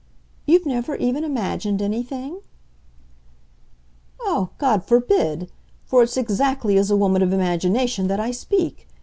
"You've never even imagined anything?" "Ah, God forbid! for it's exactly as a woman of imagination that I speak.